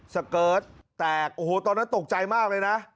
สเกิร์ตแตกโอ้โหตอนนั้นตกใจมากเลยนะ